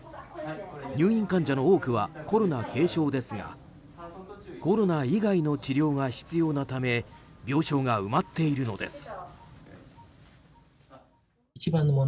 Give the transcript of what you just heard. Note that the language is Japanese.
入院患者の多くはコロナ軽症ですがコロナ以外の治療が必要なため病床が埋まっているのです。